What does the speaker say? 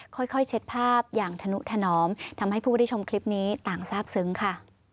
ค่อยเช็ดภาพอย่างธนุถนอมทำให้ผู้ที่ชมคลิปนี้ต่างทราบซึ้งค่ะ